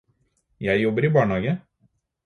Jeg jobber i barnehage.